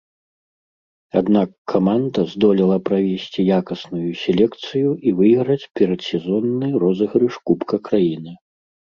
Аднак каманда здолела правесці якасную селекцыю і выйграць перадсезонны розыгрыш кубка краіны.